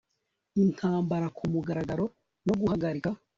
intambara ku mugaragaro no guhagarika